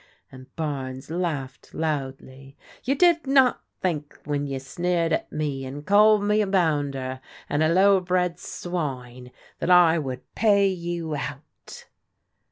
" and Barnes laughed loudly. " You did not think when you sneered at me and called me a boimder, and a low bred swine, that I would pay you out."